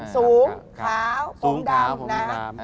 สูงขาวผมดำ